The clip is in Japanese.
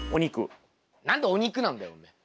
何でお肉なんだよおめえ。